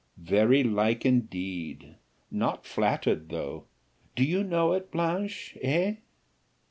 very like indeed! not flattered though. Do you know it, Blanche eh?"